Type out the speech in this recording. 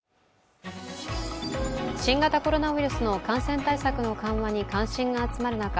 新型コロナウイルスの感染対策の緩和に関心が集まる中